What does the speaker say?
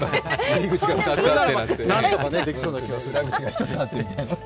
それならなんとかできそうな気がする。